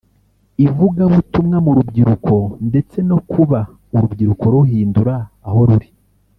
ivugabutumwa mu rubyiruko ndetse no kuba urubyiruko ruhindura aho ruri